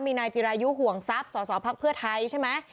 มีนายจิรายุห่วงซับสภพไทยใช่ไหม